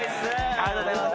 ありがとうございます。